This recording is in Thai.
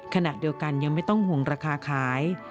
ขณะเดียวกันยังไม่ต้องห่วงราคาขาย